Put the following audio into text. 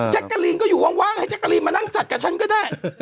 กะลีนก็อยู่ว่างให้แจ๊กกะรีนมานั่งจัดกับฉันก็ได้